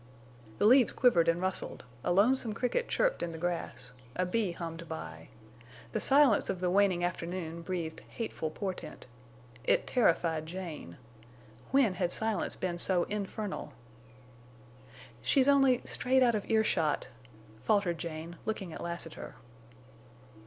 The leaves quivered and rustled; a lonesome cricket chirped in the grass, a bee hummed by. The silence of the waning afternoon breathed hateful portent. It terrified Jane. When had silence been so infernal? "She's—only—strayed—out—of earshot," faltered Jane, looking at Lassiter.